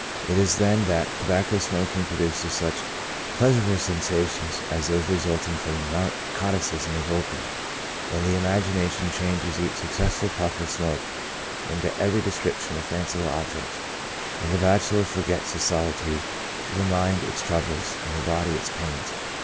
It is then that tobacco smoking pro duces such pleasurable sensations as those resulting from the narcotism of opium, when the imagination changes each successive pufF of smoke into every description of fanciful objects, when the bachelor forgets his solitude, the mind its troubles, and the body its pains.